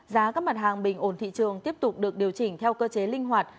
giá các mặt hàng bình ổn thị trường tiếp tục được điều chỉnh theo cơ chế linh hoạt